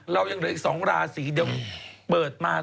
เรายังเหลืออีก๒ราศีเดี๋ยวเปิดมา